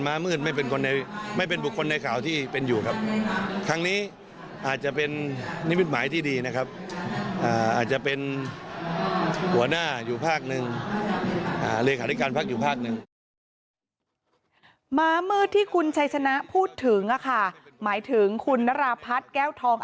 มืดที่คุณชัยชนะพูดถึงหมายถึงคุณนราพัฒน์แก้วทอง